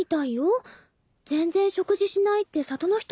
全然食事しないって里の人が話してた。